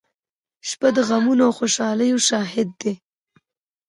• شپه د غمونو او خوشالیو شاهد ده.